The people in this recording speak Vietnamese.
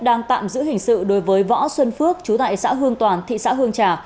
đang tạm giữ hình sự đối với võ xuân phước chú tại xã hương toàn thị xã hương trà